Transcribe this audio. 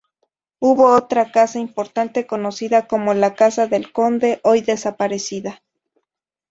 Hubo otra casa importante conocida como la "Casa del Conde", hoy desaparecida.